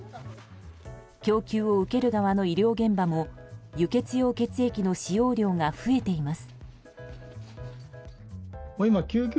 供給を受ける側の医療現場も輸血用血液の使用量が増えています。